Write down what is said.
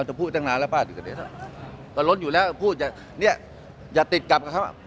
อ้าวจะพูดตั้งนานแล้วป่ะอยู่กันเดี๋ยวแต่ล้นอยู่แล้วพูดเนี่ยอย่าติดกลับกับคำว่า